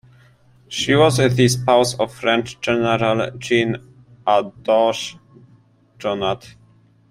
She was the spouse of French general Jean-Andoche Junot.